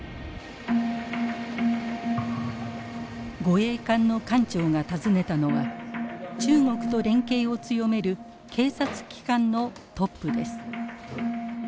護衛艦の艦長が訪ねたのは中国と連携を強める警察機関のトップです。